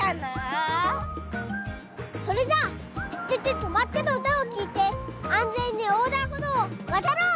それじゃあ「ててて！とまって！」のうたをきいてあんぜんにおうだんほどうをわたろう！